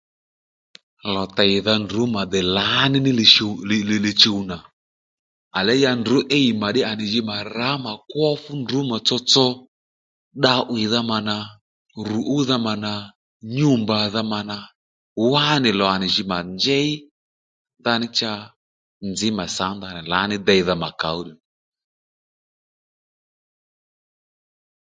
Lò tèydha ndrǔ mà dè lǎní li-chuw li li-chuw nà à lêy ya ndrǔ îy mà ddí à jì mà kwó fú ndrǔ mà tsotso dda 'wìydha mà nà, rù údha mà nà nyû mbàdha mà nà wánì lò nì jǐ mà njěy ndaní cha nzǐ mà sǎ ndanà lǎní deydha mà kàóddù